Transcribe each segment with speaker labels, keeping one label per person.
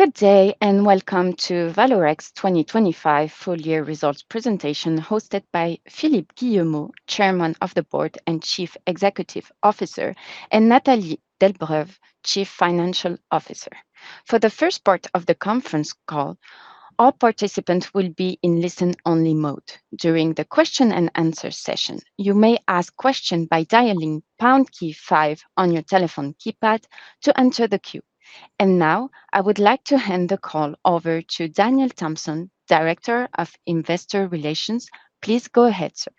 Speaker 1: Good day, and welcome to Vallourec 2025 full year results presentation, hosted by Philippe Guillemot, Chairman of the Board and Chief Executive Officer, and Nathalie Delbreuve, Chief Financial Officer. For the first part of the conference call, all participants will be in listen-only mode. During the question and answer session, you may ask questions by dialing pound key five on your telephone keypad to enter the queue. Now, I would like to hand the call over to Daniel Thomson, Director of Investor Relations. Please go ahead, sir.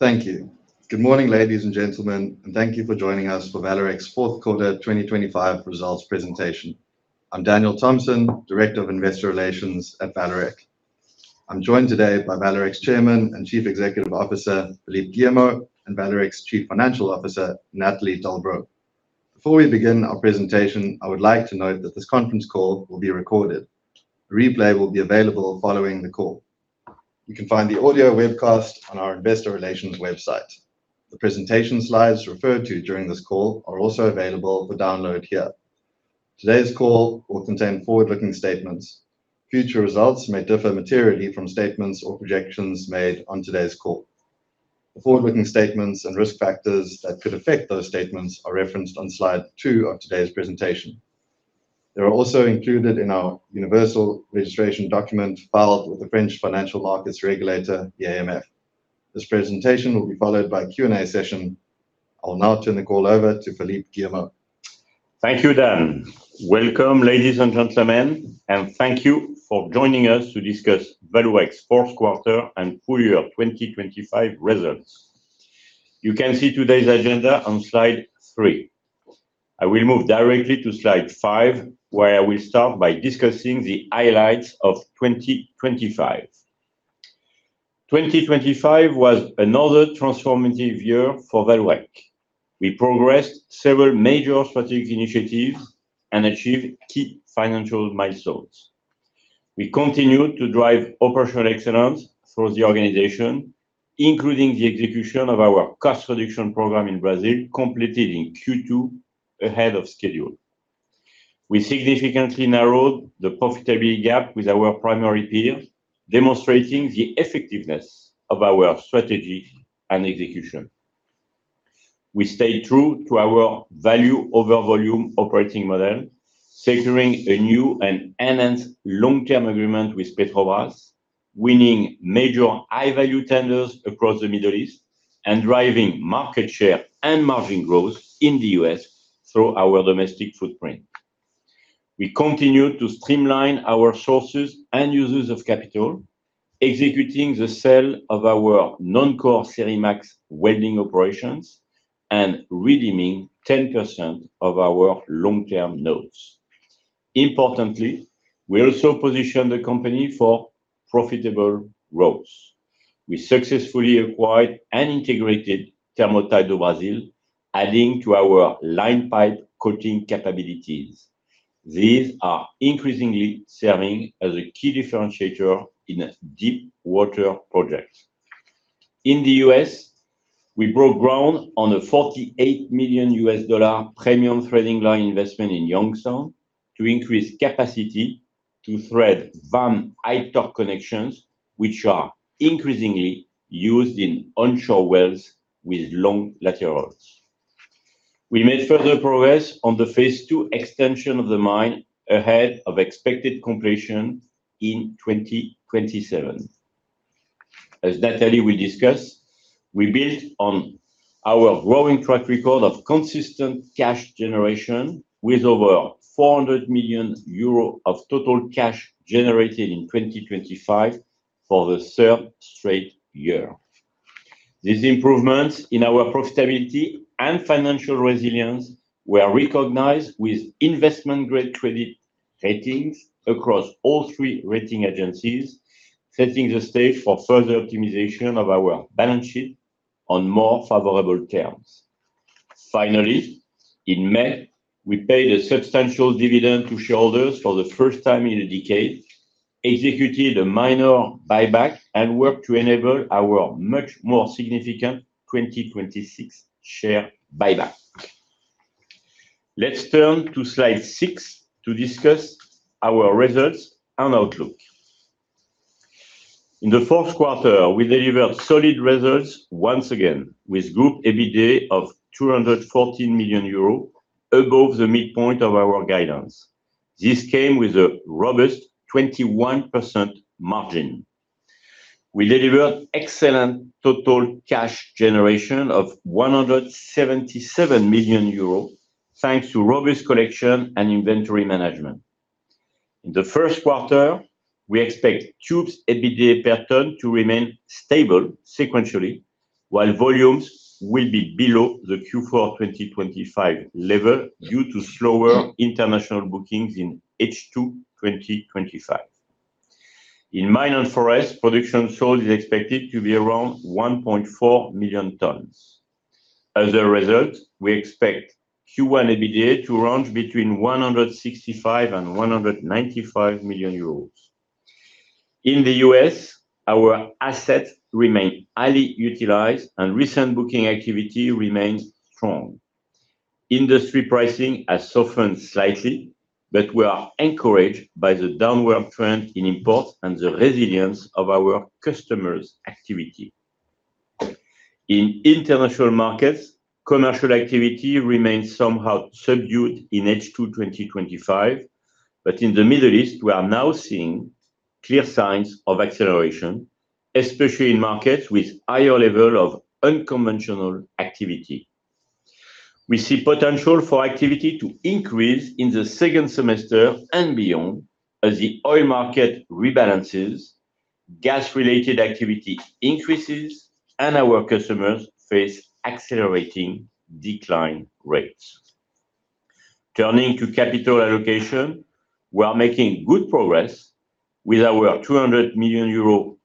Speaker 2: Thank you. Good morning, ladies and gentlemen, and thank you for joining us for Vallourec's fourth quarter 2025 results presentation. I'm Daniel Thomson, Director of Investor Relations at Vallourec. I'm joined today by Vallourec Chairman and Chief Executive Officer, Philippe Guillemot, and Vallourec Chief Financial Officer, Nathalie Delbreuve. Before we begin our presentation, I would like to note that this conference call will be recorded. The replay will be available following the call. You can find the audio webcast on our investor relations website. The presentation slides referred to during this call are also available for download here. Today's call will contain forward-looking statements. Future results may differ materially from statements or projections made on today's call. The forward-looking statements and risk factors that could affect those statements are referenced on slide two of today's presentation. They are also included in our Universal Registration Document filed with the French financial markets regulator, the AMF. This presentation will be followed by a Q&A session. I'll now turn the call over to Philippe Guillemot.
Speaker 3: Thank you, Dan. Welcome, ladies and gentlemen, and thank you for joining us to discuss Vallourec's fourth quarter and full year 2025 results. You can see today's agenda on slide three. I will move directly to slide five, where I will start by discussing the highlights of 2025. 2025 was another transformative year for Vallourec. We progressed several major strategic initiatives and achieved key financial milestones. We continued to drive operational excellence through the organization, including the execution of our cost reduction program in Brazil, completed in Q2 ahead of schedule. We significantly narrowed the profitability gap with our primary peers, demonstrating the effectiveness of our strategy and execution. We stayed true to our value over volume operating model, securing a new and enhanced long-term agreement with Petrobras, winning major high-value tenders across the Middle East, and driving market share and margin growth in the U.S. through our domestic footprint. We continued to streamline our sources and uses of capital, executing the sale of our non-core Serimax welding operations and redeeming 10% of our long-term notes. Importantly, we also positioned the company for profitable growth. We successfully acquired and integrated Thermotite do Brasil, adding to our line pipe coating capabilities. These are increasingly serving as a key differentiator in a deepwater project. In the U.S., we broke ground on a $48 million premium threading line investment in Youngstown to increase capacity to thread VAM high-torque connections, which are increasingly used in onshore wells with long laterals. We made further progress on the phase 2 extension of the mine ahead of expected completion in 2027. As Nathalie will discuss, we built on our growing track record of consistent cash generation with over 400 million euros of total cash generated in 2025 for the third straight year. These improvements in our profitability and financial resilience were recognized with investment-grade credit ratings across all three rating agencies, setting the stage for further optimization of our balance sheet on more favorable terms. In May, we paid a substantial dividend to shareholders for the first time in a decade, executed a minor buyback, and worked to enable our much more significant 2026 share buyback. Let's turn to slide six to discuss our results and outlook. In the fourth quarter, we delivered solid results once again, with group EBITDA of 214 million euros, above the midpoint of our guidance. This came with a robust 21% margin. We delivered excellent total cash generation of 177 million euros, thanks to robust collection and inventory management. In the first quarter, we expect Tubes EBITDA per ton to remain stable sequentially, while volumes will be below the Q4 2025 level due to slower international bookings in H2 2025. In Minério de Ferro, production sold is expected to be around 1.4 million tons. As a result, we expect Q1 EBITDA to range between 165 million and 195 million euros. In the U.S., our assets remain highly utilized, and recent booking activity remains strong. Industry pricing has softened slightly, but we are encouraged by the downward trend in imports and the resilience of our customers' activity. In international markets, commercial activity remains somehow subdued in H2 2025, but in the Middle East, we are now seeing clear signs of acceleration, especially in markets with higher level of unconventional activity. We see potential for activity to increase in the second semester and beyond as the oil market rebalances, gas-related activity increases, and our customers face accelerating decline rates. Turning to capital allocation, we are making good progress with our 200 million euro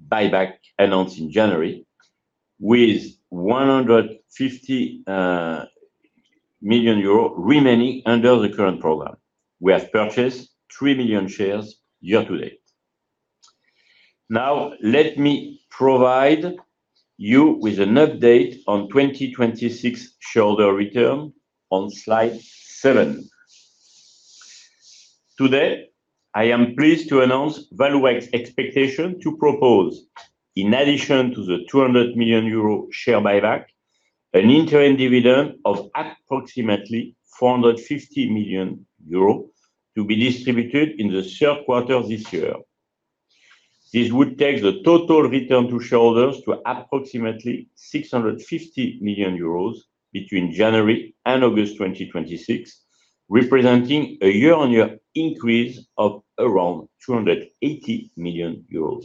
Speaker 3: buyback announced in January, with 150 million euro remaining under the current program. We have purchased 3 million shares year to date. Now, let me provide you with an update on 2026 shareholder return on slide seven. Today, I am pleased to announce Vallourec's expectation to propose, in addition to the 200 million euro share buyback, an interim dividend of approximately 450 million euro to be distributed in the third quarter of this year. This would take the total return to shareholders to approximately 650 million euros between January and August 2026, representing a year-on-year increase of around 280 million euros.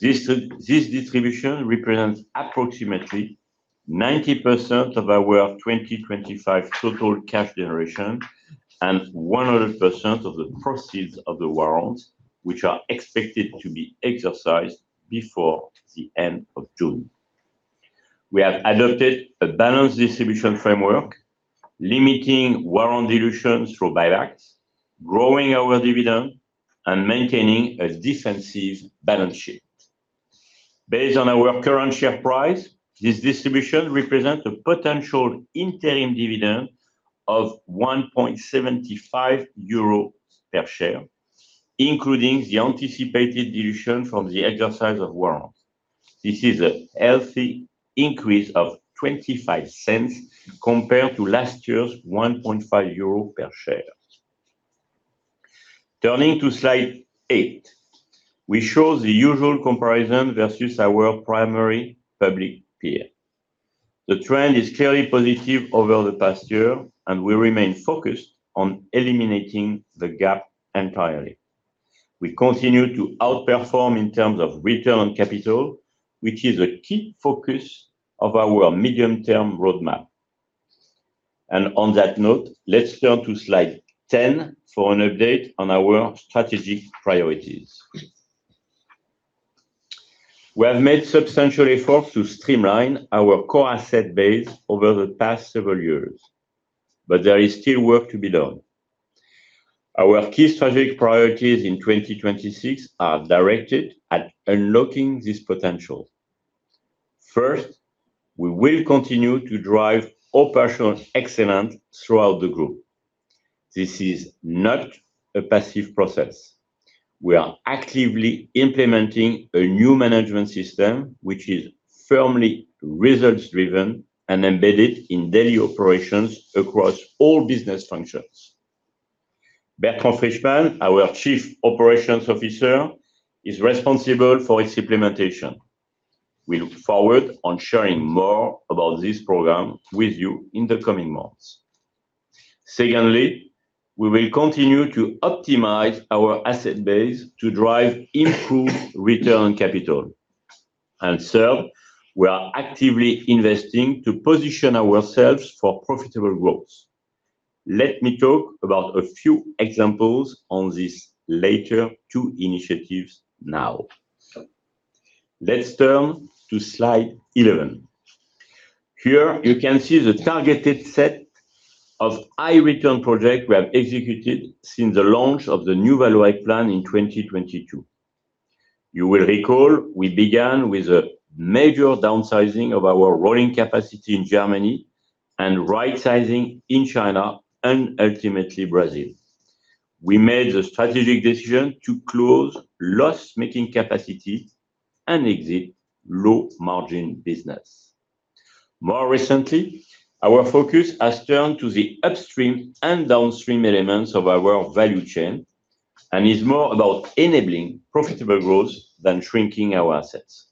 Speaker 3: This distribution represents approximately 90% of our 2025 total cash generation and 100% of the proceeds of the warrants, which are expected to be exercised before the end of June. We have adopted a balanced distribution framework, limiting warrant dilutions through buybacks, growing our dividend, and maintaining a defensive balance sheet. Based on our current share price, this distribution represents a potential interim dividend of 1.75 euro per share, including the anticipated dilution from the exercise of warrants. This is a healthy increase of 0.25 compared to last year's 1.5 euro per share. Turning to slide eight, we show the usual comparison versus our primary public peer. The trend is clearly positive over the past year. We remain focused on eliminating the gap entirely. We continue to outperform in terms of return on capital, which is a key focus of our medium-term roadmap. On that note, let's turn to slide 10 for an update on our strategic priorities. We have made substantial efforts to streamline our core asset base over the past several years, but there is still work to be done. Our key strategic priorities in 2026 are directed at unlocking this potential. First, we will continue to drive operational excellence throughout the group. This is not a passive process. We are actively implementing a new management system, which is firmly results-driven and embedded in daily operations across all business functions. Bertrand Frischmann, our Chief Operations Officer, is responsible for its implementation. We look forward on sharing more about this program with you in the coming months. Secondly, we will continue to optimize our asset base to drive improved return on capital. Third, we are actively investing to position ourselves for profitable growth. Let me talk about a few examples on these later 2 initiatives now. Let's turn to slide 11. Here you can see the targeted set of high-return projects we have executed since the launch of the new Vallourec plan in 2022. You will recall, we began with a major downsizing of our rolling capacity in Germany and rightsizing in China and ultimately Brazil. We made the strategic decision to close loss-making capacity and exit low-margin business. More recently, our focus has turned to the upstream and downstream elements of our value chain and is more about enabling profitable growth than shrinking our assets.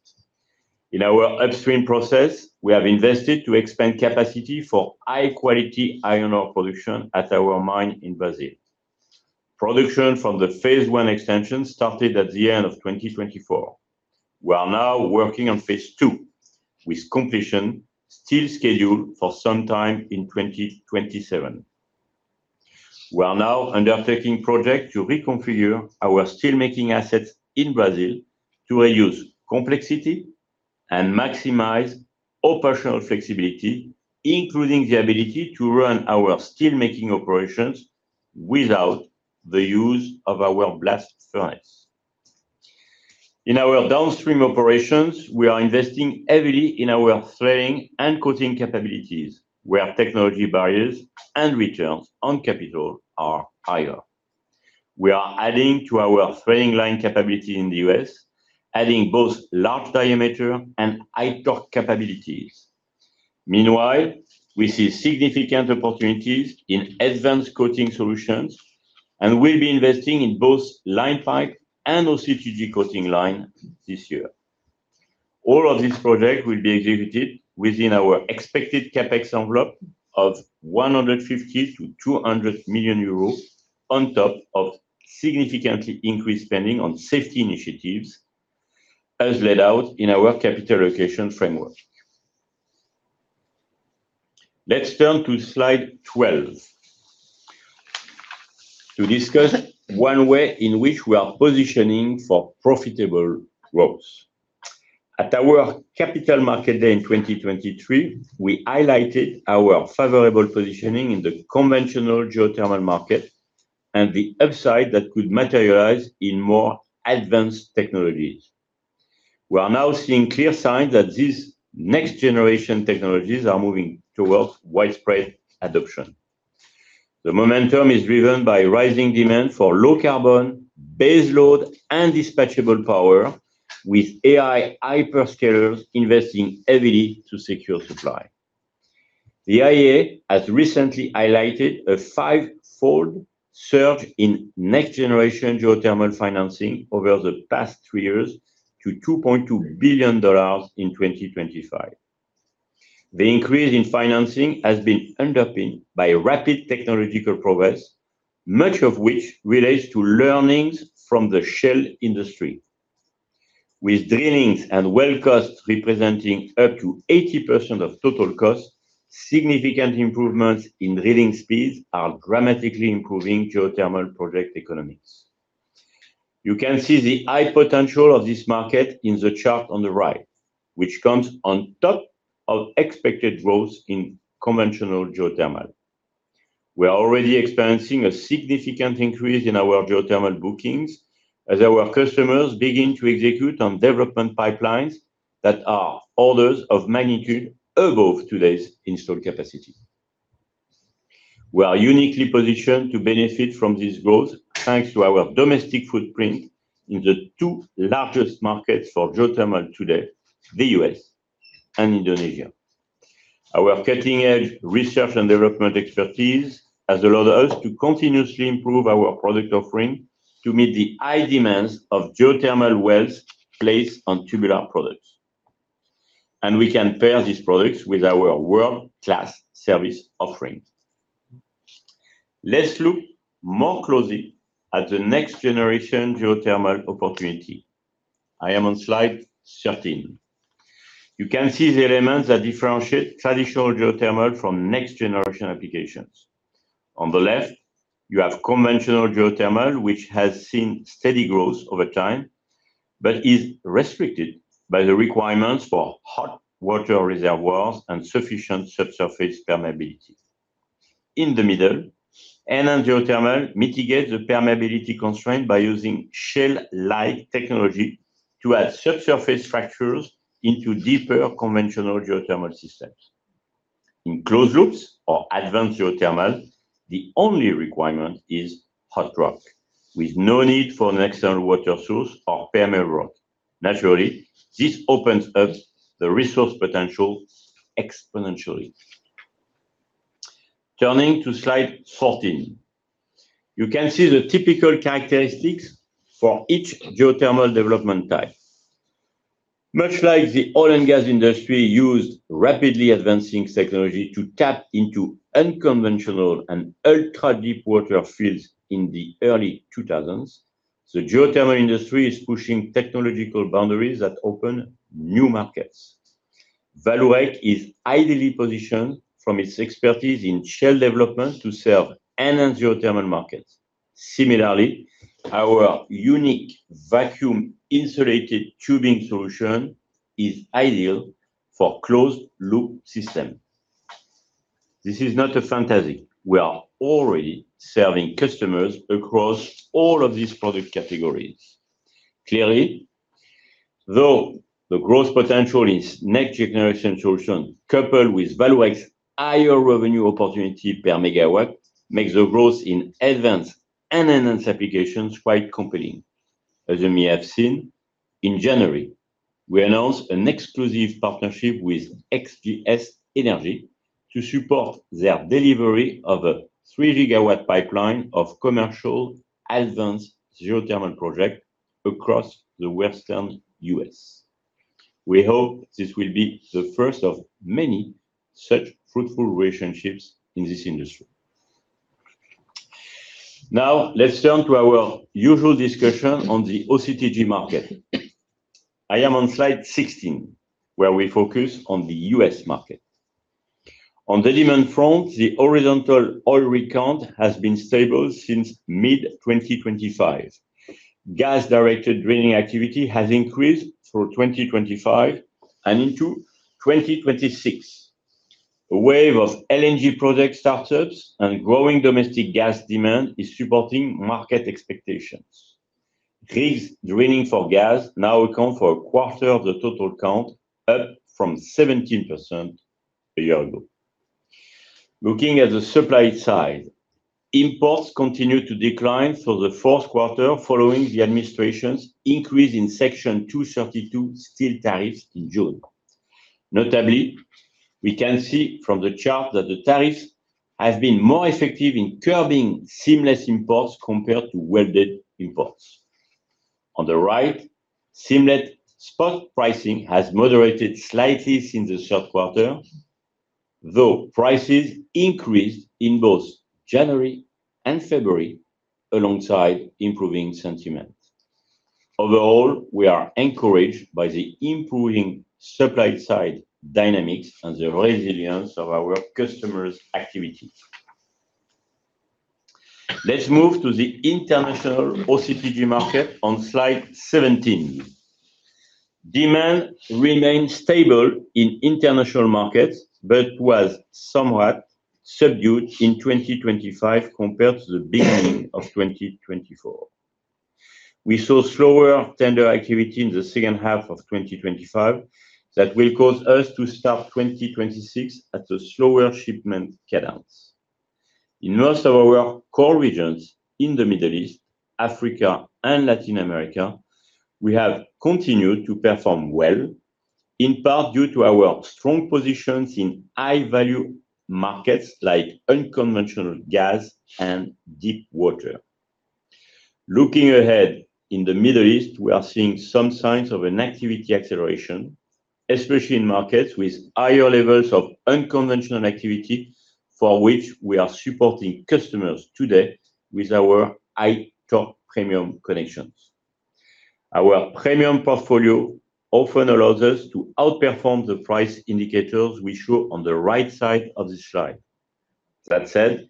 Speaker 3: In our upstream process, we have invested to expand capacity for high-quality iron ore production at our mine in Brazil. Production from the phase 1 extension started at the end of 2024. We are now working on phase 2, with completion still scheduled for sometime in 2027. We are now undertaking project to reconfigure our steelmaking assets in Brazil to reduce complexity and maximize operational flexibility, including the ability to run our steelmaking operations without the use of our blast furnace. In our downstream operations, we are investing heavily in our threading and coating capabilities, where technology barriers and returns on capital are higher. We are adding to our threading line capability in the U.S., adding both large diameter and high torque capabilities. Meanwhile, we see significant opportunities in advanced coating solutions, and we'll be investing in both line pipe and OCTG coating line this year. All of these projects will be executed within our expected CapEx envelope of 150 million-200 million euros, on top of significantly increased spending on safety initiatives, as laid out in our capital allocation framework. Let's turn to slide 12, to discuss one way in which we are positioning for profitable growth. At our Capital Markets Day in 2023, we highlighted our favorable positioning in the conventional geothermal market and the upside that could materialize in more advanced technologies. We are now seeing clear signs that these next-generation technologies are moving towards widespread adoption. The momentum is driven by rising demand for low-carbon, baseload, and dispatchable power, with AI hyperscalers investing heavily to secure supply. The IEA has recently highlighted a five-fold surge in next-generation geothermal financing over the past three years to $2.2 billion in 2025. The increase in financing has been underpinned by rapid technological progress, much of which relates to learnings from the shale industry. With drillings and well costs representing up to 80% of total costs, significant improvements in drilling speeds are dramatically improving geothermal project economics. You can see the high potential of this market in the chart on the right, which comes on top of expected growth in conventional geothermal. We are already experiencing a significant increase in our geothermal bookings as our customers begin to execute on development pipelines that are orders of magnitude above today's installed capacity. We are uniquely positioned to benefit from this growth, thanks to our domestic footprint in the two largest markets for geothermal today, the U.S. and Indonesia. Our cutting-edge research and development expertise has allowed us to continuously improve our product offering to meet the high demands of geothermal wells placed on tubular products, and we can pair these products with our world-class service offerings. Let's look more closely at the next-generation geothermal opportunity. I am on slide 13. You can see the elements that differentiate traditional geothermal from next-generation applications. On the left, you have conventional geothermal, which has seen steady growth over time, but is restricted by the requirements for hot water reservoirs and sufficient subsurface permeability. In the middle, enhanced geothermal mitigates the permeability constraint by using shale-like technology to add subsurface fractures into deeper conventional geothermal systems. In closed loops or advanced geothermal, the only requirement is hot rock, with no need for an external water source or permeable rock. Naturally, this opens up the resource potential exponentially. Turning to slide 14. You can see the typical characteristics for each geothermal development type. Much like the oil and gas industry used rapidly advancing technology to tap into unconventional and ultra-deep water fields in the early 2000s, the geothermal industry is pushing technological boundaries that open new markets. Vallourec is ideally positioned from its expertise in shale development to serve enhanced geothermal markets. Similarly, our unique vacuum insulated tubing solution is ideal for closed-loop system. This is not a fantasy. We are already serving customers across all of these product categories. Clearly, though, the growth potential in next-generation solution, coupled with Vallourec's higher revenue opportunity per megawatt, makes the growth in advanced and enhanced applications quite compelling. As you may have seen, in January, we announced an exclusive partnership with XGS Energy to support their delivery of a 3-GW pipeline of commercial advanced geothermal project across the Western U.S. We hope this will be the first of many such fruitful relationships in this industry. Now, let's turn to our usual discussion on the OCTG market. I am on slide 16, where we focus on the U.S. market. On demand front, the horizontal oil rig count has been stable since mid-2025. Gas-directed drilling activity has increased through 2025 and into 2026. A wave of LNG project startups and growing domestic gas demand is supporting market expectations. Rigs drilling for gas now account for a quarter of the total count, up from 17% a year ago. Looking at the supply side, imports continued to decline for the fourth quarter following the administration's increase in Section 232 steel tariffs in June. Notably, we can see from the chart that the tariffs have been more effective in curbing seamless imports compared to welded imports. On the right, seamless spot pricing has moderated slightly in the third quarter, though prices increased in both January and February alongside improving sentiment. Overall, we are encouraged by the improving supply side dynamics and the resilience of our customers' activities. Let's move to the international OCTG market on slide 17. Demand remained stable in international markets, but was somewhat subdued in 2025 compared to the beginning of 2024. We saw slower tender activity in the second half of 2025 that will cause us to start 2026 at a slower shipment cadence. In most of our core regions in the Middle East, Africa, and Latin America, we have continued to perform well, in part due to our strong positions in high-value markets like unconventional gas and deep water. Looking ahead, in the Middle East, we are seeing some signs of an activity acceleration, especially in markets with higher levels of unconventional activity, for which we are supporting customers today with our high torque premium connections. Our premium portfolio often allows us to outperform the price indicators we show on the right side of this slide. That said,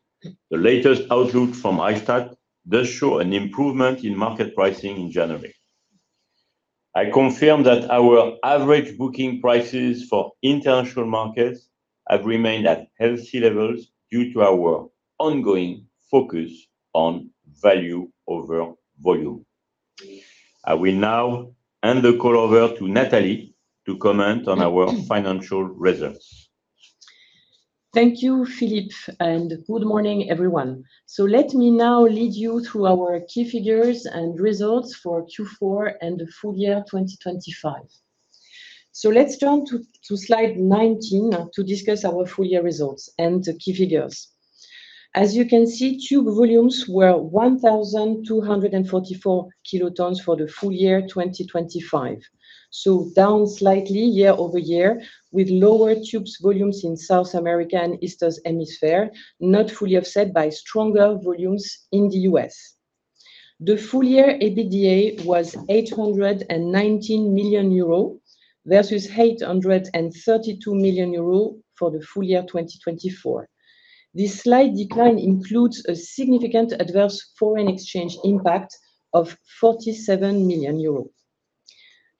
Speaker 3: the latest outlook from ICAP does show an improvement in market pricing in January. I confirm that our average booking prices for international markets have remained at healthy levels due to our ongoing focus on value over volume. I will now hand the call over to Nathalie to comment on our financial results.
Speaker 4: Thank you, Philippe, and good morning, everyone. Let me now lead you through our key figures and results for Q4 and the full year 2025. Let's turn to slide 19 to discuss our full year results and the key figures. As you can see, tube volumes were 1,244 kilotons for the full year 2025, down slightly year-over-year, with lower Tubes volumes in South America and Eastern Hemisphere, not fully offset by stronger volumes in the U.S.. The full year EBITDA was 819 million euro, versus 832 million euro for the full year 2024. This slight decline includes a significant adverse foreign exchange impact of 47 million euros.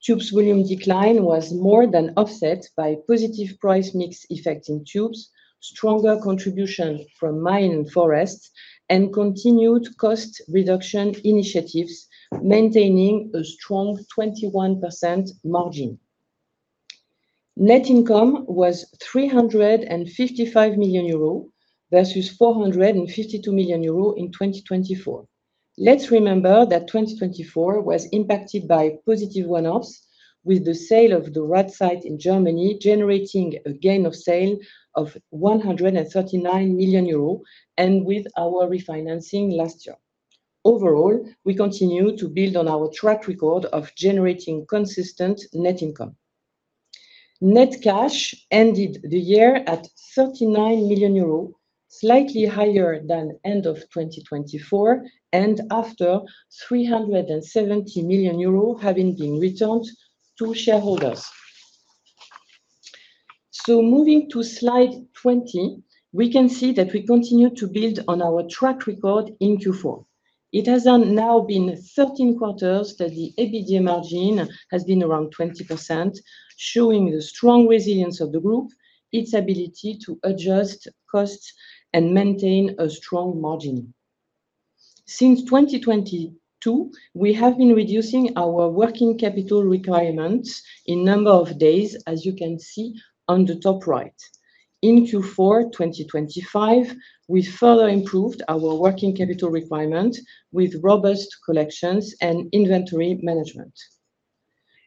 Speaker 4: Tubes volume decline was more than offset by positive price mix effect in Tubes, stronger contribution from Mine & Forest, and continued cost reduction initiatives, maintaining a strong 21% margin. Net income was 355 million euro, versus 452 million euro in 2024. Let's remember that 2024 was impacted by positive one-offs, with the sale of the Rath site in Germany, generating a gain of sale of 139 million euros, and with our refinancing last year. Overall, we continue to build on our track record of generating consistent net income. Net cash ended the year at 39 million euros, slightly higher than end of 2024, and after 370 million euros having been returned to shareholders. Moving to slide 20, we can see that we continue to build on our track record in Q4. It has now been 13 quarters that the EBITDA margin has been around 20%, showing the strong resilience of the group, its ability to adjust costs and maintain a strong margin. Since 2022, we have been reducing our working capital requirements in number of days, as you can see on the top right. In Q4 2025, we further improved our working capital requirement with robust collections and inventory management.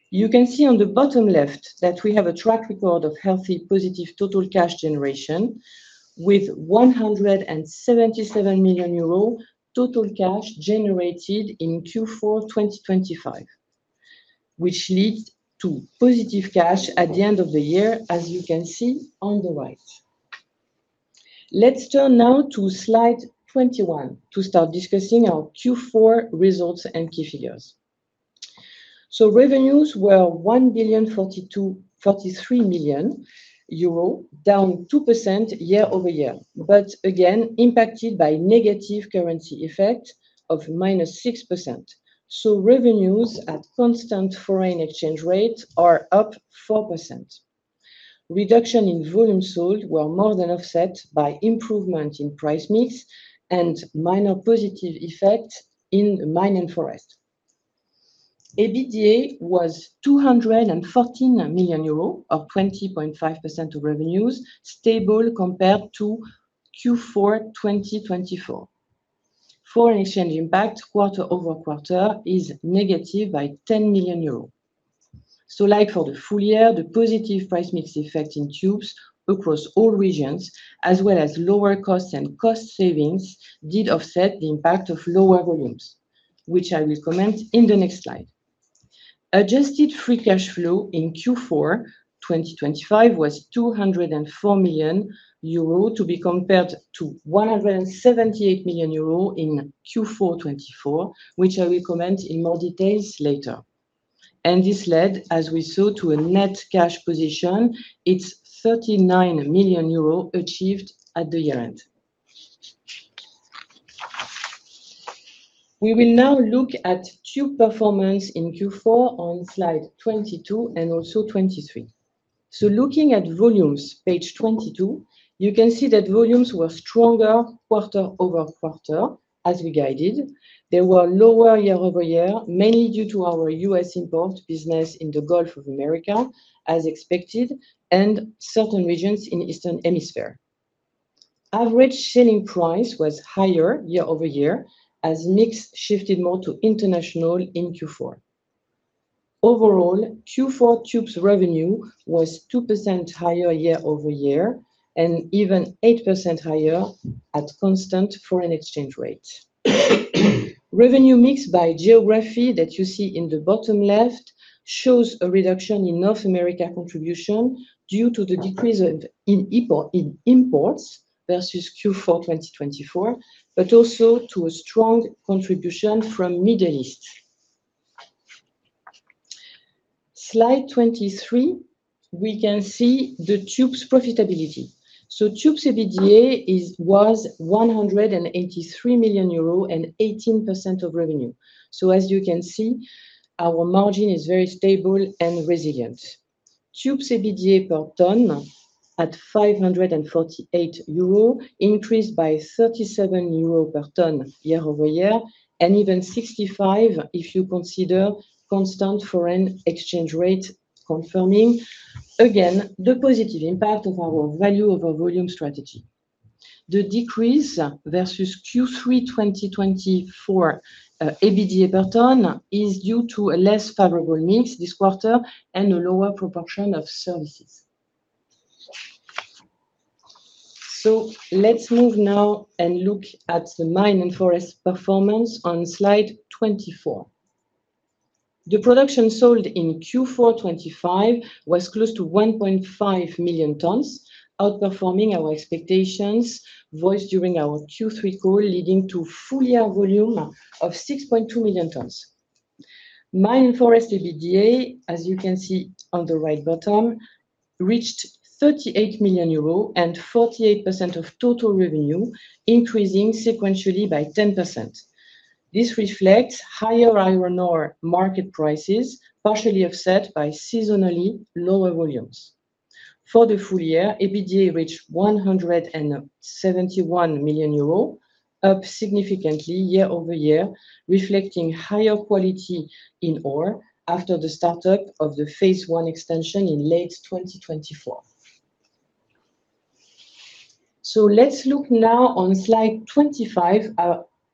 Speaker 4: You can see on the bottom left that we have a track record of healthy, positive total cash generation with 177 million euros total cash generated in Q4 2025, which leads to positive cash at the end of the year, as you can see on the right. Let's turn now to slide 21 to start discussing our Q4 results and key figures. Revenues were 1,042.33 million euro, down 2% year-over-year. But again, impacted by negative currency effect of -6%. Revenues at constant foreign exchange rates are up 4%. Reduction in volume sold were more than offset by improvement in price mix and minor positive effect in Mine & Forest. EBITDA was 214 million euros, or 20.5% of revenues, stable compared to Q4 2024. Foreign exchange impact quarter-over-quarter is negative by 10 million euros. Like for the full year, the positive price mix effect in Tubes across all regions, as well as lower costs and cost savings, did offset the impact of lower volumes, which I will comment in the next slide. Adjusted free cash flow in Q4 2025 was 204 million euro, to be compared to 178 million euro in Q4 2024, which I will comment in more details later. This led, as we saw, to a net cash position, 39 million euro achieved at the year-end. We will now look at Tube performance in Q4 on slide 22 and also 23. Looking at volumes, page 22, you can see that volumes were stronger quarter-over-quarter, as we guided. They were lower year-over-year, mainly due to our U.S. import business in the Gulf of America, as expected, and certain regions in Eastern Hemisphere. Average selling price was higher year-over-year, as mix shifted more to international in Q4. Overall, Q4 Tubes revenue was 2% higher year-over-year, and even 8% higher at constant foreign exchange rate. Revenue mix by geography, that you see in the bottom left, shows a reduction in imports versus Q4 2024, but also to a strong contribution from Middle East. Slide 23, we can see the Tubes profitability. Tubes EBITDA was 183 million euros and 18% of revenue. As you can see, our margin is very stable and resilient. Tubes EBITDA per tonne, at 548 euros, increased by 37 euros per tonne year-over-year, and even 65 if you consider constant foreign exchange rate, confirming again, the positive impact of our value over volume strategy. The decrease versus Q3 2024 EBITDA per ton is due to a less favorable mix this quarter and a lower proportion of services. Let's move now and look at the Mine & Forest performance on slide 24. The production sold in Q4 2025 was close to 1.5 million tons, outperforming our expectations voiced during our Q3 call, leading to full year volume of 6.2 million tons. Mine & Forest EBITDA, as you can see on the right bottom, reached 38 million euros and 48% of total revenue, increasing sequentially by 10%. This reflects higher iron ore market prices, partially offset by seasonally lower volumes. For the full year, EBITDA reached 171 million euros, up significantly year-over-year, reflecting higher quality in ore after the startup of the phase one extension in late 2024. Let's look now on slide 25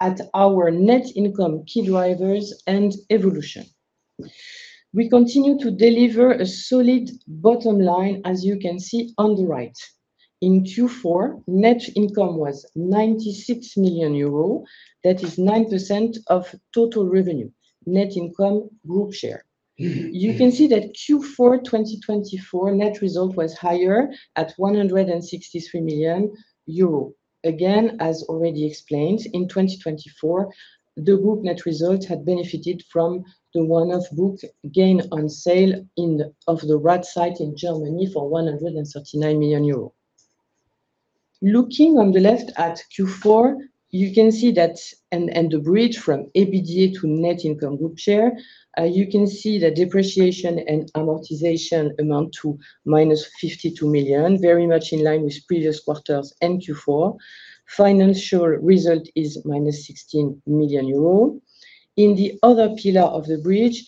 Speaker 4: at our net income key drivers and evolution. We continue to deliver a solid bottom line, as you can see on the right. In Q4, net income was 96 million euro. That is 9% of total revenue, net income group share. You can see that Q4, 2024, net result was higher at 163 million euro. Again, as already explained, in 2024, the group net result had benefited from the one-off book gain on sale of the Rath site in Germany for 139 million euros. Looking on the left at Q4, you can see that the bridge from EBITDA to net income group share, you can see the depreciation and amortization amount to -52 million, very much in line with previous quarters and Q4. Financial result is -16 million euro. In the other pillar of the bridge,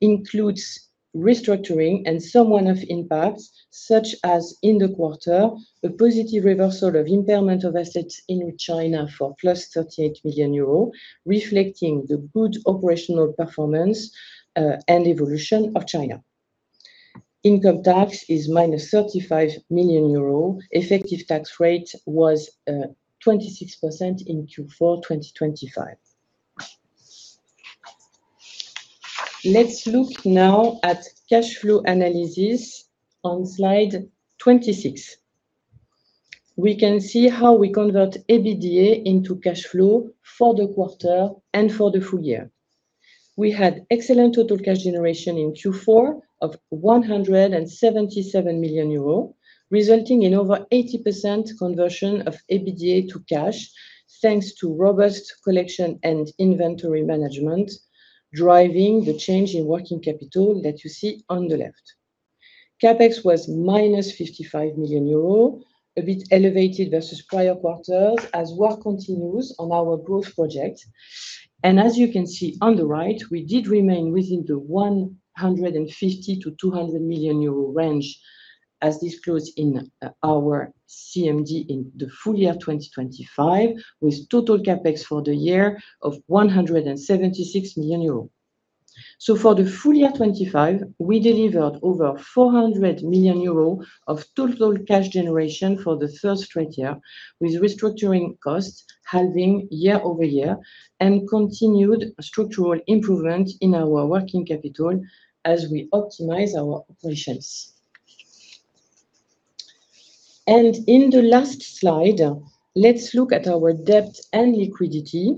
Speaker 4: includes restructuring and some one-off impacts, such as in the quarter, a positive reversal of impairment of assets in China for +38 million euros, reflecting the good operational performance and evolution of China. Income tax is -35 million euro. Effective tax rate was 26% in Q4 2025. Let's look now at cash flow analysis on slide 26. We can see how we convert EBITDA into cash flow for the quarter and for the full year. We had excellent total cash generation in Q4 of 177 million euros, resulting in over 80% conversion of EBITDA to cash, thanks to robust collection and inventory management, driving the change in working capital that you see on the left. CapEx was -55 million euro, a bit elevated versus prior quarters as work continues on our growth project. As you can see on the right, we did remain within the 150 million-200 million euro range, as disclosed in our CMD in the full year of 2025, with total CapEx for the year of 176 million euros. For the full year 2025, we delivered over 400 million euros of total cash generation for the third straight year, with restructuring costs halving year-over-year and continued structural improvement in our working capital as we optimize our operations. In the last slide, let's look at our debt and liquidity.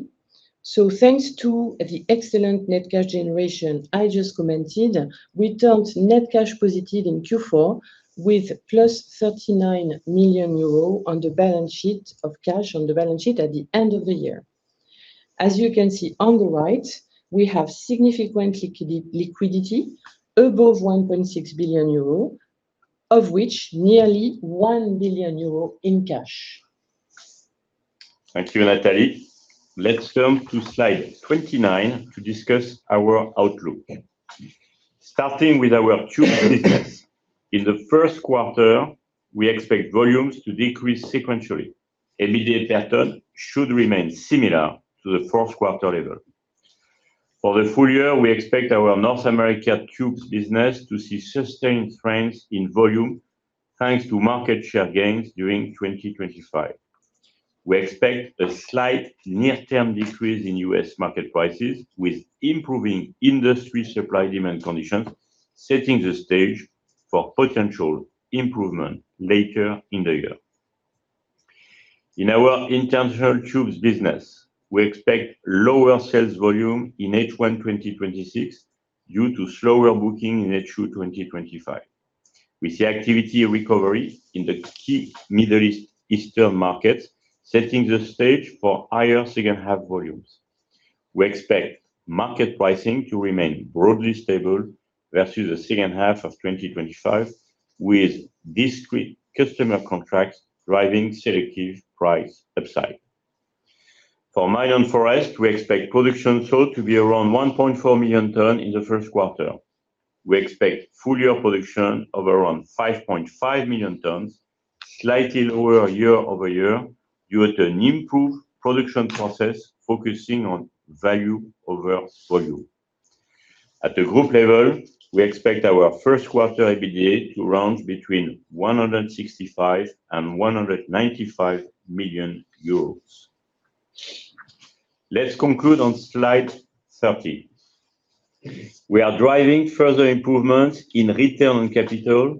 Speaker 4: Thanks to the excellent net cash generation I just commented, we turned net cash positive in Q4, with +39 million euros of cash on the balance sheet at the end of the year. As you can see on the right, we have significant liquidity above 1.6 billion euro, of which nearly 1 billion euro in cash.
Speaker 3: Thank you, Nathalie. Let's turn to slide 29 to discuss our outlook. Starting with our tube business, in the first quarter, we expect volumes to decrease sequentially. EBITDA ton should remain similar to the fourth quarter level. For the full year, we expect our North America Tubes business to see sustained trends in volume, thanks to market share gains during 2025. We expect a slight near-term decrease in U.S. market prices, with improving industry supply-demand conditions, setting the stage for potential improvement later in the year. In our International Tubes business, we expect lower sales volume in H1 2026, due to slower booking in H2 2025. We see activity recovery in the key Middle East-Eastern markets, setting the stage for higher second half volumes. We expect market pricing to remain broadly stable versus the second half of 2025, with discrete customer contracts driving selective price upside. For Mine & Forest, we expect production sold to be around 1.4 million tons in the first quarter. We expect full year production of around 5.5 million tons, slightly lower year-over-year, due to an improved production process focusing on value over volume. At the group level, we expect our first quarter EBITDA to range between 165 million and 195 million euros. Let's conclude on slide 30. We are driving further improvements in return on capital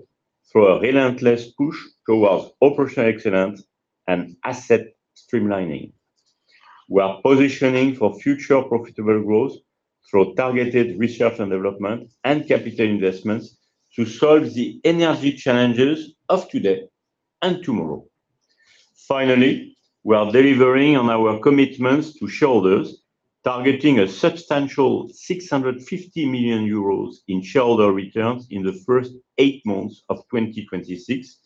Speaker 3: through a relentless push towards operational excellence and asset streamlining. We are positioning for future profitable growth through targeted research and development and capital investments to solve the energy challenges of today and tomorrow. Finally, we are delivering on our commitments to shareholders, targeting a substantial 650 million euros in shareholder returns in the first 8 months of 2026,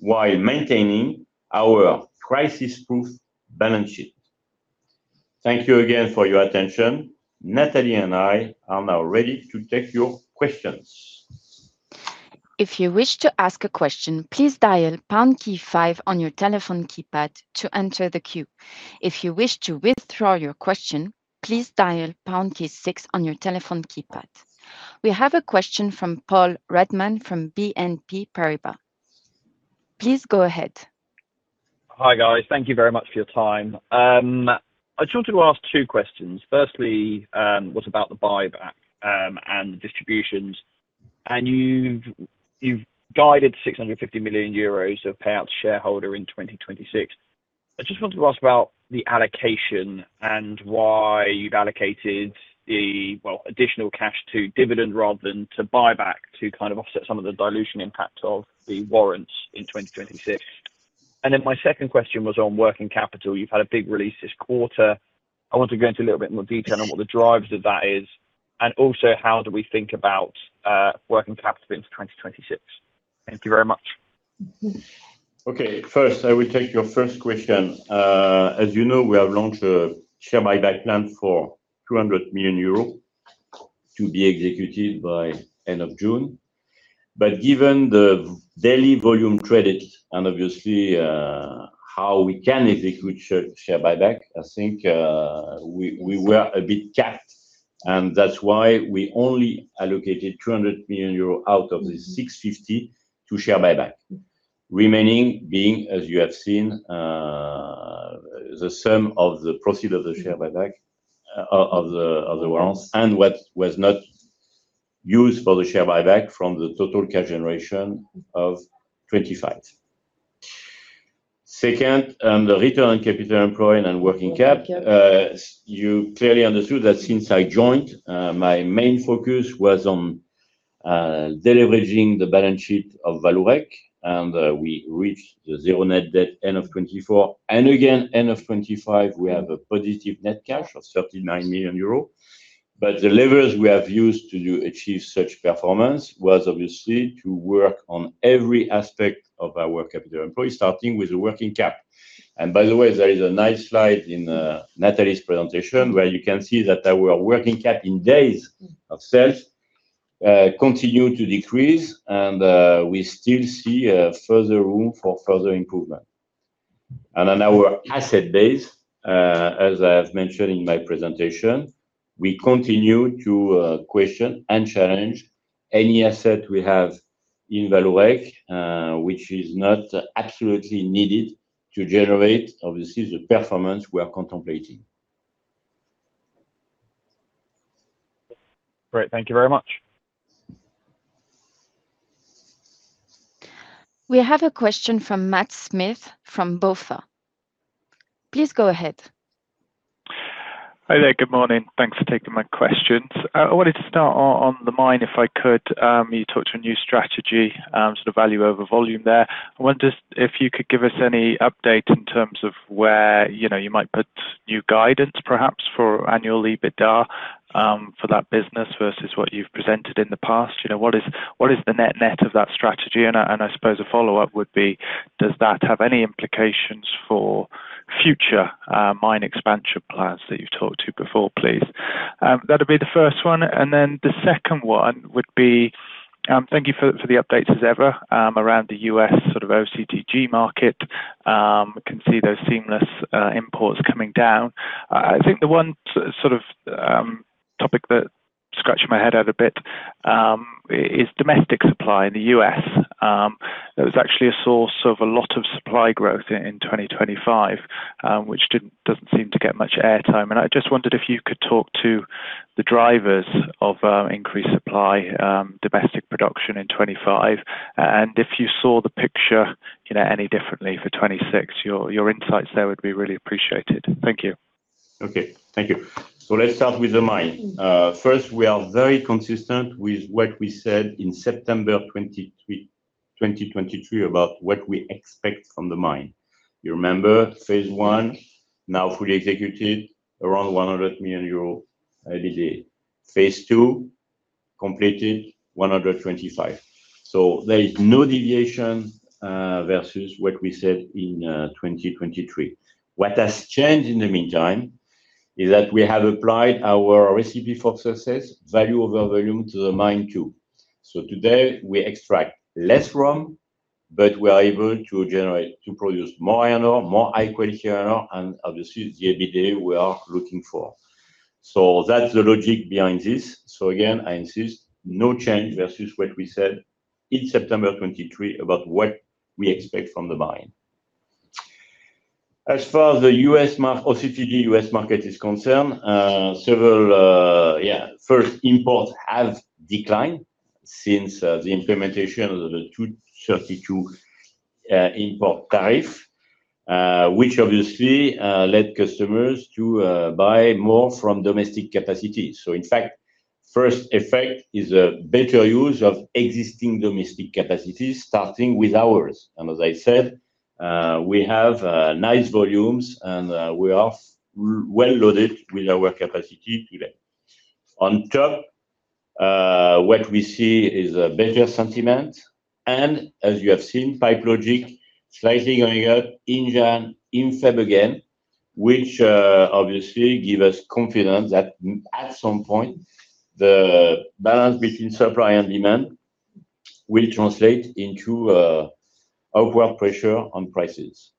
Speaker 3: while maintaining our crisis-proof balance sheet. Thank you again for your attention. Nathalie and I are now ready to take your questions.
Speaker 1: If you wish to ask a question, please dial pound key five on your telephone keypad to enter the queue. If you wish to withdraw your question, please dial pound key six on your telephone keypad. We have a question from Paul Redman from BNP Paribas. Please go ahead.
Speaker 5: Hi, guys. Thank you very much for your time. I just wanted to ask 2 questions. Firstly, was about the buyback and the distributions. You've guided 650 million euros of payout to shareholder in 2026. I just wanted to ask about the allocation and why you've allocated the additional cash to dividend rather than to buyback, to kind of offset some of the dilution impact of the warrants in 2026. My second question was on working capital. You've had a big release this quarter. I want to go into a little bit more detail on what the drivers of that is, and also how do we think about working capital into 2026? Thank you very much.
Speaker 3: Okay, first, I will take your first question. As you know, we have launched a share buyback plan for 200 million euros to be executed by end of June. Given the daily volume traded and obviously, how we can execute share buyback, I think, we were a bit capped, and that's why we only allocated 200 million euro out of the 650 to share buyback. Remaining being, as you have seen, the sum of the proceeds of the share buyback, of the warrants, and what was not used for the share buyback from the total cash generation of 2025. Second, the return on capital employed and working cap, you clearly understood that since I joined, my main focus was on deleveraging the balance sheet of Vallourec, we reached the zero net debt end of 2024. Again, end of 2025, we have a positive net cash of 39 million euros. The levers we have used to achieve such performance was obviously to work on every aspect of our capital employed, starting with the working cap. By the way, there is a nice slide in Nathalie's presentation, where you can see that our working cap in days of sales, continue to decrease, we still see further room for further improvement. On our asset base, as I have mentioned in my presentation, we continue to question and challenge any asset we have in Vallourec, which is not absolutely needed to generate, obviously, the performance we are contemplating. Great. Thank you very much.
Speaker 1: We have a question from Matt Smith from BofA. Please go ahead.
Speaker 6: Hi there. Good morning. Thanks for taking my questions. I wanted to start on the mine, if I could. You talked to a new strategy, sort of value over volume there. I wonder if you could give us any update in terms of where, you know, you might put new guidance, perhaps, for annual EBITDA for that business versus what you've presented in the past. You know, what is the net-net of that strategy? I suppose a follow-up would be, does that have any implications for future mine expansion plans that you've talked to before, please? That'll be the first one, and then the second one would be, thank you for the updates as ever, around the U.S. sort of OCTG market. I can see those seamless imports coming down. I think the one sort of topic that scratched my head out a bit is domestic supply in the U.S. There was actually a source of a lot of supply growth in 2025, which doesn't seem to get much airtime. I just wondered if you could talk to the drivers of increased supply, domestic production in 25, and if you saw the picture, you know, any differently for 26. Your insights there would be really appreciated. Thank you.
Speaker 3: Okay, thank you. Let's start with the Mine. First, we are very consistent with what we said in September 2023, about what we expect from the Mine. You remember phase one, now fully executed, around 100 million euro EBITDA. Phase two, completed, 125 million. There is no deviation versus what we said in 2023. What has changed in the meantime is that we have applied our recipe for success, value over volume, to the Mine too. Today, we extract less Run-of-Mine, but we are able to generate, to produce more iron ore, more high-quality iron ore, and obviously, the EBITDA we are looking for. That's the logic behind this. Again, I insist, no change versus what we said in September 2023 about what we expect from the Mine. As far as the U.S. OCTG, U.S. market is concerned, several, first, imports have declined since the implementation of the Section 232 import tariff, which obviously led customers to buy more from domestic capacity. In fact, first effect is a better use of existing domestic capacity, starting with ours. As I said, we have nice volumes, and we are well loaded with our capacity today. On top, what we see is a better sentiment, and as you have seen, PipeLogix slightly going up in January, in February again, which obviously give us confidence that at some point, the balance between supply and demand will translate into upward pressure on prices.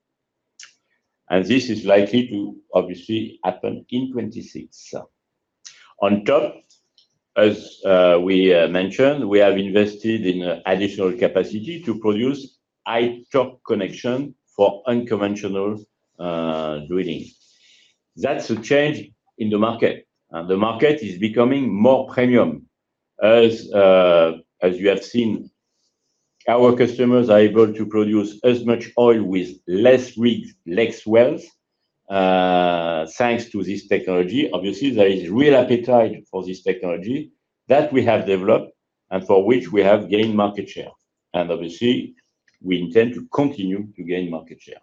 Speaker 3: This is likely to obviously happen in 2026. On top, as we mentioned, we have invested in additional capacity to produce high torque connection for unconventional drilling. That's a change in the market, and the market is becoming more premium. As you have seen, our customers are able to produce as much oil with less rigs, less wells, thanks to this technology. Obviously, there is real appetite for this technology that we have developed and for which we have gained market share. Obviously, we intend to continue to gain market share.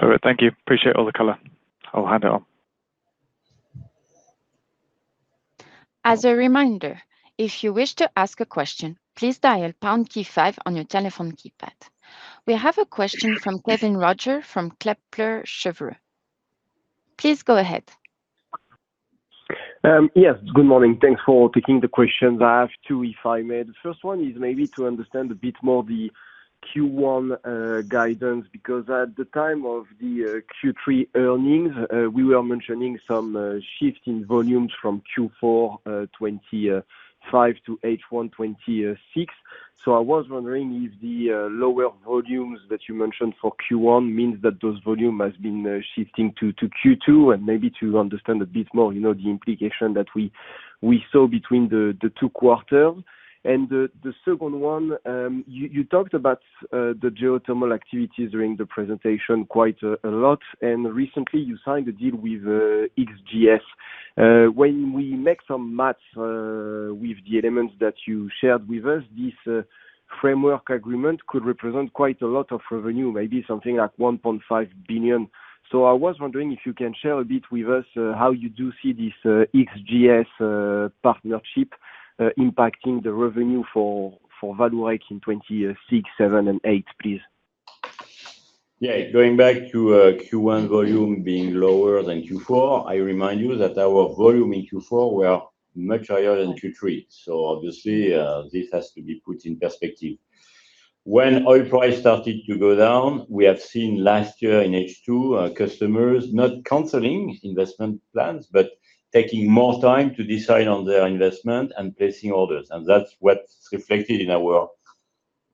Speaker 6: All right. Thank you. Appreciate all the color. I'll hand it on.
Speaker 1: As a reminder, if you wish to ask a question, please dial pound key five on your telephone keypad. We have a question from Kévin Roger from Kepler Cheuvreux. Please go ahead.
Speaker 7: Yes. Good morning. Thanks for taking the questions. I have two, if I may. The first one is maybe to understand a bit more the Q1 guidance, because at the time of the Q3 earnings, we were mentioning some shift in volumes from Q4 2025 to H1 2026. I was wondering, is the lower volumes that you mentioned for Q1 means that those volume has been shifting to Q2? Maybe to understand a bit more, you know, the implication that we saw between the two quarters. The second one, you talked about the geothermal activities during the presentation quite a lot, and recently you signed a deal with XGS. When we make some math with the elements that you shared with us, this framework agreement could represent quite a lot of revenue, maybe something like 1.5 billion. I was wondering if you can share a bit with us how you do see this XGS partnership impacting the revenue for Vallourec in 2026, 2027, and 2028, please.
Speaker 3: Yeah. Going back to Q1 volume being lower than Q4, I remind you that our volume in Q4 were much higher than Q3. Obviously, this has to be put in perspective. When oil price started to go down, we have seen last year in H2, our customers not canceling investment plans, but taking more time to decide on their investment and placing orders. That's what's reflected in our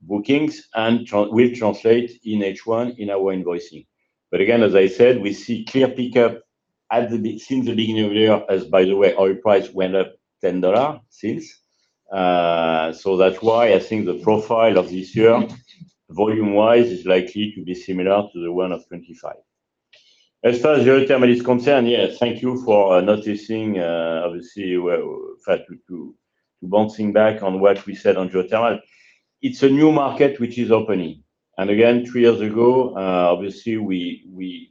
Speaker 3: bookings and will translate in H1 in our invoicing. Again, as I said, we see clear pickup since the beginning of the year, as by the way, oil price went up EUR 10 since. That's why I think the profile of this year, volume-wise, is likely to be similar to the one of 2025. As far as geothermal is concerned, yes, thank you for noticing. Obviously, we're fact to bouncing back on what we said on geothermal. It's a new market which is opening. Again, three years ago, obviously, we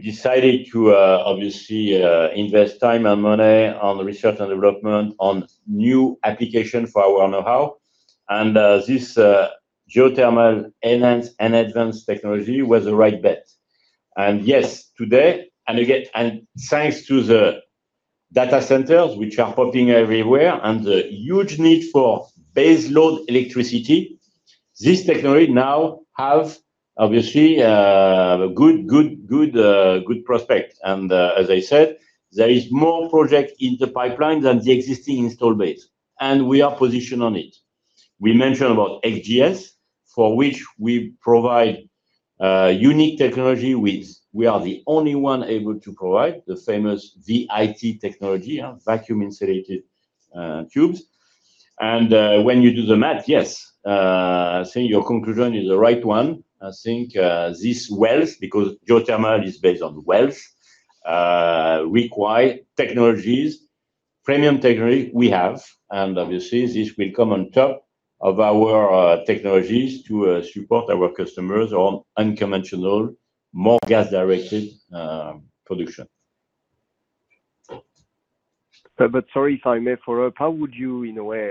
Speaker 3: decided to, obviously, invest time and money on research and development on new application for our know-how. This, geothermal enhanced and advanced technology was the right bet. Yes, today, and again, and thanks to the data centers which are popping everywhere and the huge need for base load electricity, this technology now have, obviously, good, good prospect. As I said, there is more project in the pipeline than the existing install base, and we are positioned on it. We mentioned about XGS, for which we provide unique technology, which we are the only one able to provide, the famous VIT technology, vacuum insulated tubes. When you do the math, yes, I think your conclusion is the right one. I think these wells, because geothermal is based on wells, require technologies, premium technology we have, and obviously this will come on top of our technologies to support our customers on unconventional, more gas-directed production.
Speaker 7: Sorry, if I may follow up. How would you, in a way,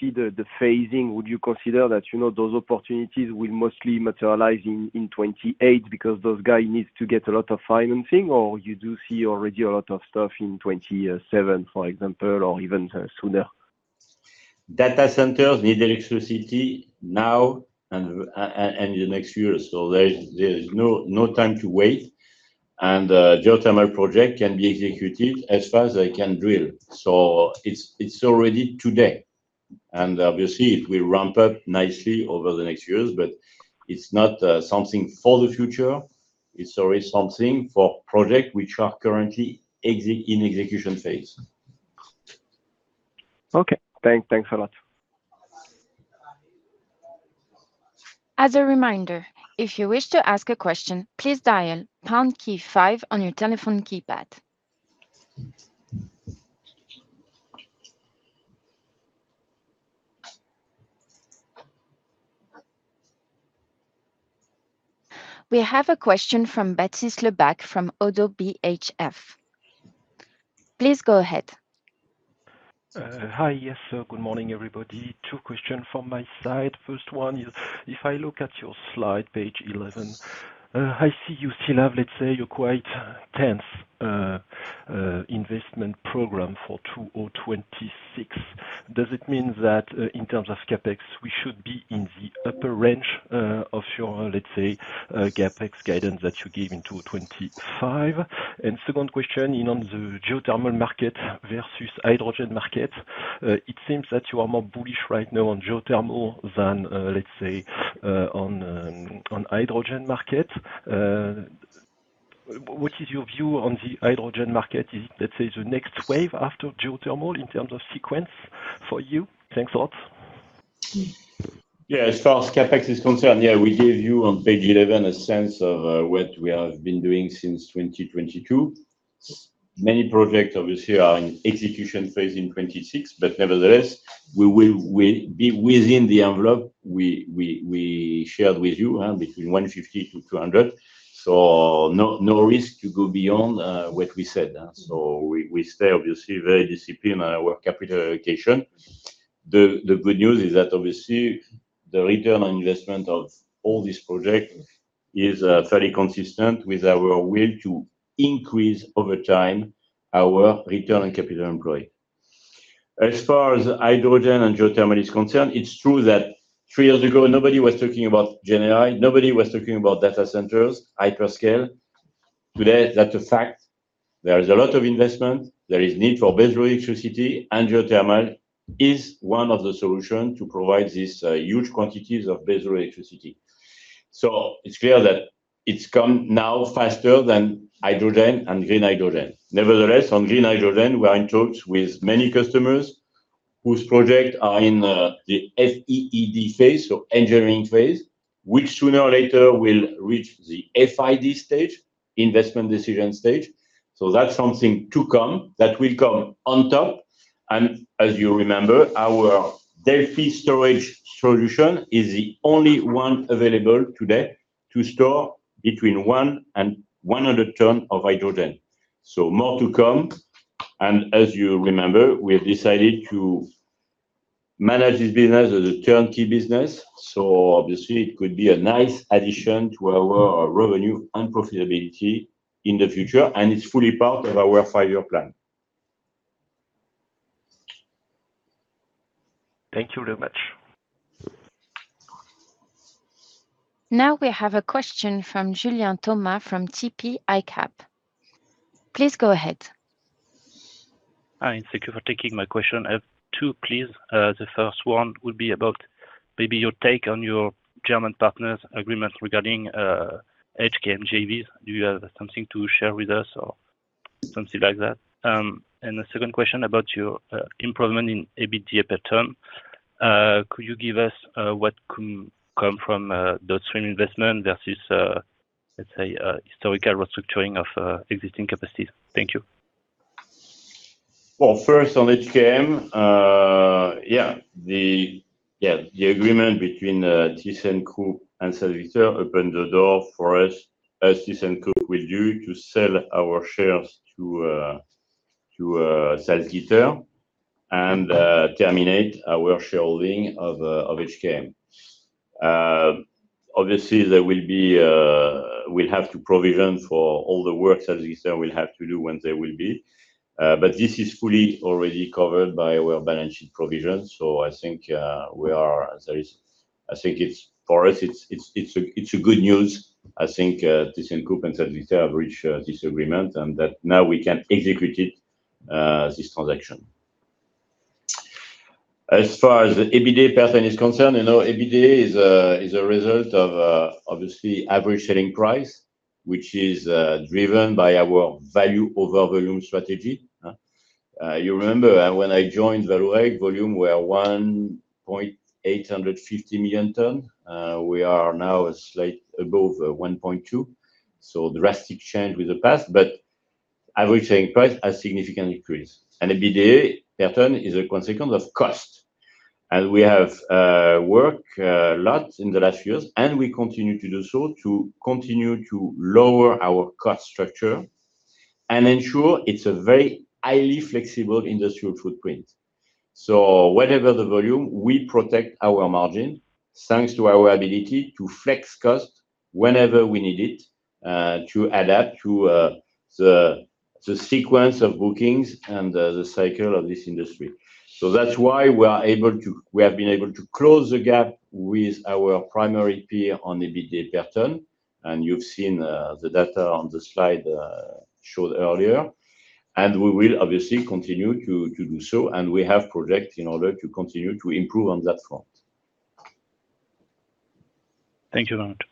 Speaker 7: see the phasing? Would you consider that, you know, those opportunities will mostly materialize in 2028 because those guy needs to get a lot of financing? You do see already a lot of stuff in 2027, for example, or even sooner?
Speaker 3: Data centers need electricity now and in the next few years. There's no time to wait. Geothermal project can be executed as fast as they can drill. It's already today, and obviously it will ramp up nicely over the next years, but it's not something for the future. It's already something for project which are currently in execution phase.
Speaker 7: Okay. Thanks a lot.
Speaker 1: As a reminder, if you wish to ask a question, please dial pound key five on your telephone keypad. We have a question from Baptiste Lebacq from Oddo BHF. Please go ahead.
Speaker 8: Hi. Yes, good morning, everybody. Two questions from my side. First one is, if I look at your slide, page 11, I see you still have, let's say, a quite tense investment program for 2026. Does it mean that, in terms of CapEx, we should be in the upper range of your, let's say, CapEx guidance that you gave in 2025? Second question, in on the geothermal market versus hydrogen market, it seems that you are more bullish right now on geothermal than, let's say, on hydrogen market. What is your view on the hydrogen market? Is, let's say, the next wave after geothermal in terms of sequence for you? Thanks a lot.
Speaker 3: As far as CapEx is concerned, we gave you on page 11 a sense of what we have been doing since 2022. Many projects, obviously, are in execution phase in 2026, but nevertheless, we will be within the envelope we shared with you, between 150 million-200 million. No risk to go beyond what we said. We stay obviously very disciplined on our capital allocation. The good news is that obviously the return on investment of all these projects is fairly consistent with our will to increase over time our return on capital employed. As far as hydrogen and geothermal is concerned, it's true that three years ago, nobody was talking about GenAI, nobody was talking about data centers, hyperscale. Today, that's a fact. There is a lot of investment. There is need for base load electricity. Geothermal is one of the solution to provide these huge quantities of base load electricity. It's clear that it's come now faster than hydrogen and green hydrogen. Nevertheless, on green hydrogen, we are in touch with many customers whose project are in the FEED phase, so engineering phase, which sooner or later will reach the FID stage, investment decision stage. That's something to come, that will come on top, and as you remember, our Delphy storage solution is the only one available today to store between 1 and 100 ton of hydrogen. More to come, and as you remember, we have decided to manage this business as a turnkey business, obviously it could be a nice addition to our revenue and profitability in the future, and it's fully part of our five-year plan.
Speaker 8: Thank you very much.
Speaker 1: Now we have a question from Julien Thomas from TP ICAP. Please go ahead.
Speaker 9: Hi. Thank you for taking my question. I have two, please. The first one would be about maybe your take on your German partner's agreement regarding HKM JVs. Do you have something to share with us or something like that? The second question about your improvement in EBITDA per ton. Could you give us what can come from those three investment versus, let's say, historical restructuring of existing capacity? Thank you.
Speaker 3: Well, first, on HKM, the agreement between thyssenkrupp and Salzgitter opened the door for us, as thyssenkrupp will do, to sell our shares to Salzgitter and terminate our shareholding of HKM. Obviously, there will be. We'll have to provision for all the work Salzgitter will have to do when they will be, but this is fully already covered by our balance sheet provisions. I think it's, for us, it's a good news. I think thyssenkrupp and Salzgitter have reached this agreement and that now we can execute this transaction. As far as the EBITDA per ton is concerned, you know, EBITDA is a result of, obviously, average selling price, which is driven by our value over volume strategy. You remember, when I joined Vallourec, volume were 1.85 million tons. We are now slight above, 1.2, so drastic change with the past, but average selling price has significantly increased. EBITDA per ton is a consequence of cost, and we have worked a lot in the last years, and we continue to do so to continue to lower our cost structure and ensure it's a very highly flexible industrial footprint. Whatever the volume, we protect our margin, thanks to our ability to flex cost whenever we need it, to adapt to the sequence of bookings and the cycle of this industry. That's why we have been able to close the gap with our primary peer on EBITDA per ton, and you've seen the data on the slide showed earlier. We will obviously continue to do so, and we have projects in order to continue to improve on that front.
Speaker 9: Thank you very much.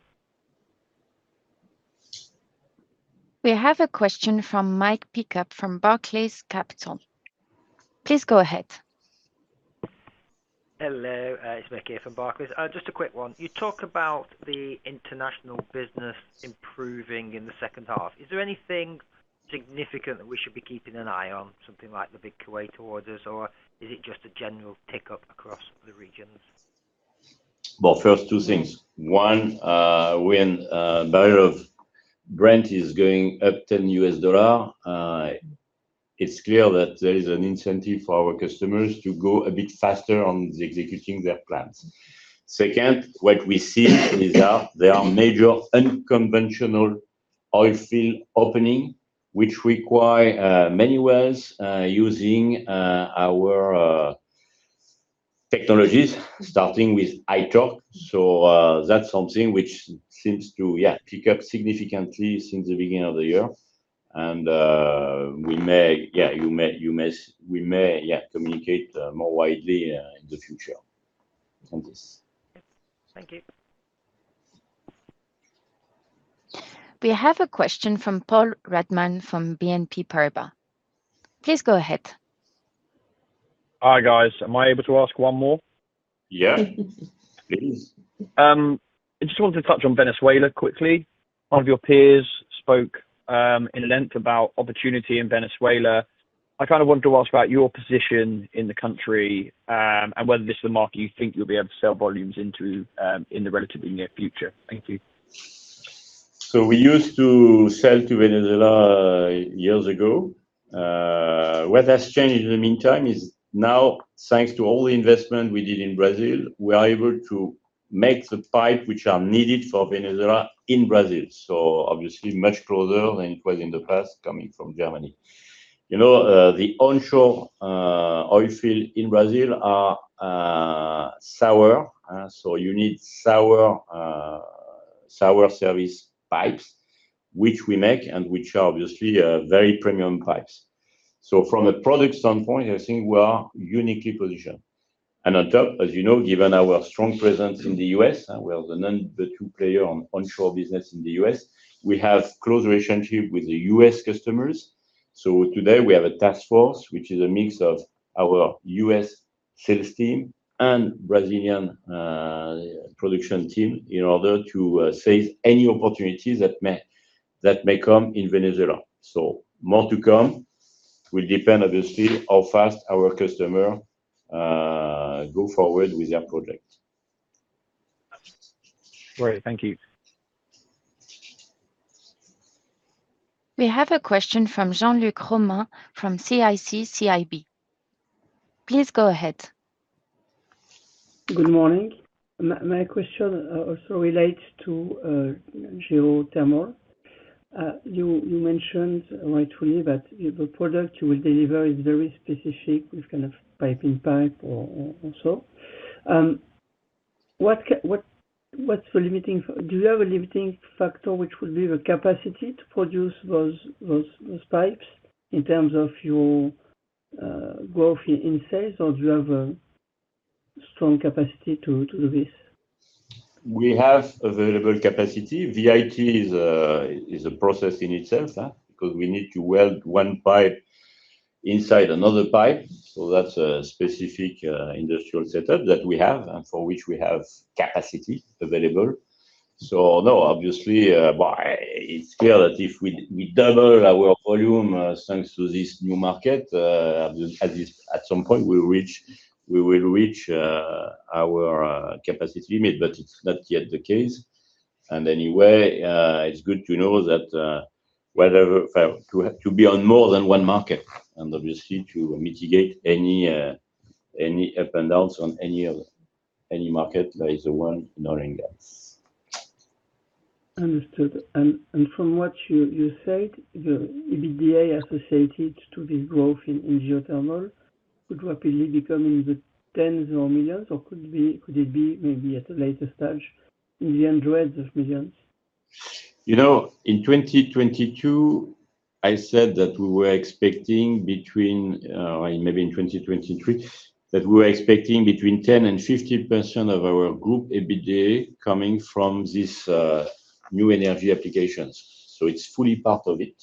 Speaker 1: We have a question from Mick Pickup from Barclays Capital. Please go ahead.
Speaker 10: Hello, it's Mick here from Barclays. Just a quick one. You talk about the international business improving in the second half. Is there anything significant that we should be keeping an eye on, something like the big Kuwait orders, or is it just a general pickup across the regions?
Speaker 3: Well, first, two things. One, when barrel of Brent is going up $10, it's clear that there is an incentive for our customers to go a bit faster on the executing their plans. Second, what we see is that there are major unconventional oil field opening, which require many wells using our technologies, starting with ITOCHU. That's something which seems to, yeah, pick up significantly since the beginning of the year, and we may, yeah, you may we may, yeah, communicate more widely in the future on this.
Speaker 10: Thank you.
Speaker 1: We have a question from Paul Redman from BNP Paribas. Please go ahead.
Speaker 5: Hi, guys. Am I able to ask one more?
Speaker 3: Yeah, please.
Speaker 5: I just wanted to touch on Venezuela quickly. One of your peers spoke in length about opportunity in Venezuela. I kind of wanted to ask about your position in the country, and whether this is a market you think you'll be able to sell volumes into in the relatively near future. Thank you.
Speaker 3: We used to sell to Venezuela years ago. What has changed in the meantime is now, thanks to all the investment we did in Brazil, we are able to make the pipe which are needed for Venezuela in Brazil, obviously much closer than it was in the past, coming from Germany. you know, the onshore oil field in Brazil are sour sour service pipes, which we make and which are obviously very premium pipes. From a product standpoint, I think we are uniquely positioned. On top, as you know, given our strong presence in the U.S., we are the two player on onshore business in the U.S., we have close relationship with the U.S. customers. Today, we have a task force, which is a mix of our U.S. sales team and Brazilian production team, in order to seize any opportunities that may, that may come in Venezuela. More to come, will depend obviously, how fast our customer go forward with their project.
Speaker 5: Great. Thank you.
Speaker 1: We have a question from Jean-Luc Romain from CIC CIB. Please go ahead.
Speaker 11: Good morning. My question also relates to geothermal. You mentioned rightfully that the product you will deliver is very specific with kind of pipe-in-pipe or also. Do you have a limiting factor which will be the capacity to produce those pipes in terms of your growth in sales, or do you have a strong capacity to do this?
Speaker 3: We have available capacity. VIT is a process in itself, because we need to weld one pipe inside another pipe, so that's a specific industrial setup that we have and for which we have capacity available. No, obviously, but it's clear that if we double our volume thanks to this new market at some point, we will reach our capacity limit, but it's not yet the case. Anyway, it's good to know that whether to be on more than one market and obviously to mitigate any up and downs on any market, there is a one, not in gas.
Speaker 11: Understood. From what you said, the EBITDA associated to this growth in geothermal, could rapidly become in the tens of millions, or could it be maybe at a later stage in the hundreds of millions?
Speaker 3: You know, in 2022, I said that we were expecting between, maybe in 2023, that we were expecting between 10% and 15% of our group EBITDA coming from this new energy applications. It's fully part of it.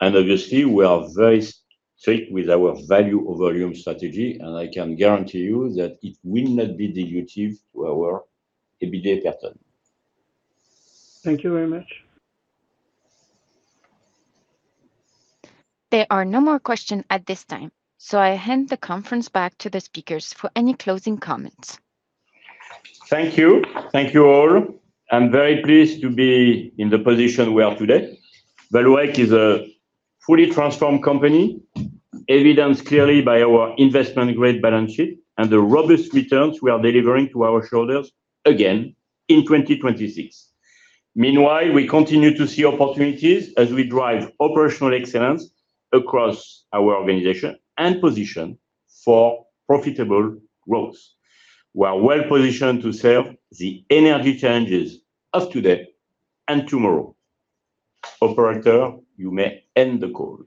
Speaker 3: Obviously, we are very strict with our value over volume strategy, and I can guarantee you that it will not be dilutive to our EBITDA pattern.
Speaker 11: Thank you very much.
Speaker 1: There are no more questions at this time, so I hand the conference back to the speakers for any closing comments.
Speaker 3: Thank you. Thank you, all. I'm very pleased to be in the position we are today. Vallourec is a fully transformed company, evidenced clearly by our investment-grade balance sheet and the robust returns we are delivering to our shareholders again in 2026. We continue to see opportunities as we drive operational excellence across our organization and position for profitable growth. We are well positioned to serve the energy challenges of today and tomorrow. Operator, you may end the call.